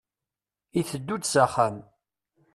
Iteddu-d s axxam.